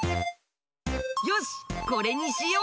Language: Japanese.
よしこれにしよう！